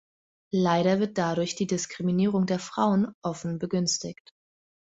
Leider wird dadurch die Diskriminierung der Frauen offen begünstigt.